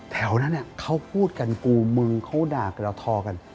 แถวนั้นเค้าพูดกันกูมึงเค้าด่ากันทอกัน